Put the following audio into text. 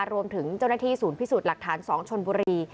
รวมถึงเจ้าหน้าที่ศูนย์พิสูจน์หลักฐาน๒ชนบุรี